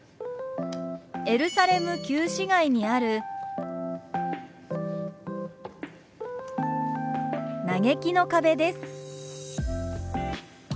エルサレム旧市街にある嘆きの壁です。